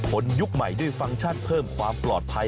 ยุคใหม่ด้วยฟังก์ชั่นเพิ่มความปลอดภัย